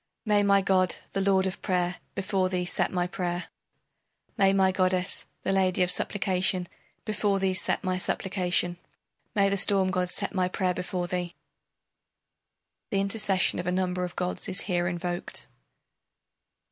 May my god, the lord of prayer, before thee set my prayer! May my goddess, the lady of supplication, before thee set my supplication! May the storm god set my prayer before thee! [The intercession of a number of gods is here invoked.